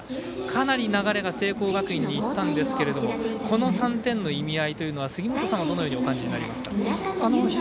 かなり流れが聖光学院にいったんですけどこの３点の意味合いというのは杉本さんはどのようにお感じになりますか？